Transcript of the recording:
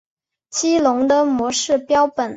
激龙的模式标本。